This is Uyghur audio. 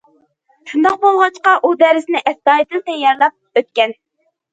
شۇنداق بولغاچقا ئۇ دەرسنى ئەستايىدىل تەييارلاپ ئۆتكەن.